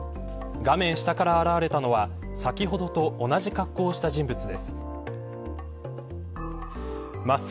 画面下から現れたのは先ほどと同じ格好をした人物です。